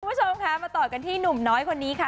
มาต่อกันกันที่หนุ่มน้อยคนนี้ค่ะ